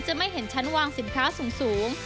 ไม่เห็นชั้นวางสินค้าสูง